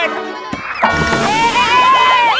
eh tunggu tunggu